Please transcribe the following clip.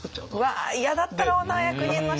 うわ嫌だったろうな役人の人たち。